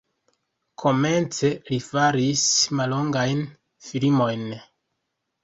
Komence li faris mallongajn filmojn.